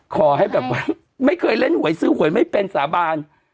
ขอให้แบบว่าไม่เคยเล่นหวยซื้อหวยไม่เป็นสาบาน